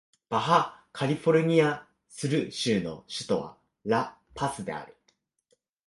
バハ・カリフォルニア・スル州の州都はラ・パスである